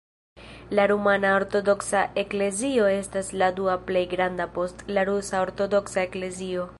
La Rumana Ortodoksa Eklezio estas la dua plej granda post la Rusa Ortodoksa Eklezio.